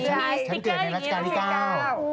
ฉันเกิดในรัชกาลที่เก้า